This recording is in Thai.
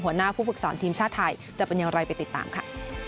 หัวหน้าผู้ฝึกสอนทีมชาติไทยจะเป็นอย่างไรไปติดตามค่ะ